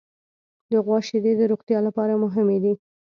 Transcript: د غوا شیدې د روغتیا لپاره مهمې دي.